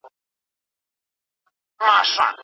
د ميرويس خان نيکه په خبرو کي کوم ځانګړی اغېز و؟